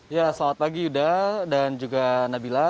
ya selamat pagi yuda dan juga nabila